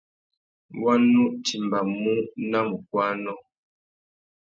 Wá nú timbānamú nà mukuânô.